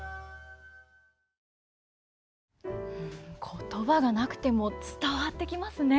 言葉がなくても伝わってきますね。